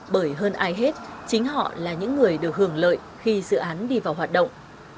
bởi hơn ai hết chính họ là những người được hưởng lợi khi dự án đi vào hoạt động